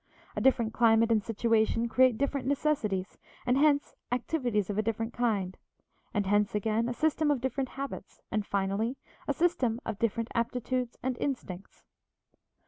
A different climate and situation create different necessities and hence activities of a different kind; and hence, again, a system of different habits, and, finally, a system of different aptitudes and instincts.